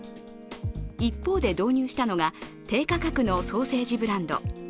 一方で導入したのが低価格のソーセージブランド。